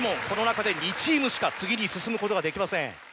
この中で２チームしか次に進むことができません。